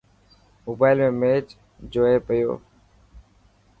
موبائل ۾ ميچ جوئي پيو.